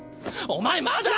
お前まだ。